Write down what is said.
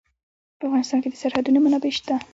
په افغانستان کې د سرحدونه منابع شته.